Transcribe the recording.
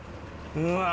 うわ！